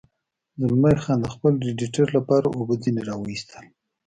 زلمی خان د خپل رېډیټر لپاره اوبه ځنې را ویستل.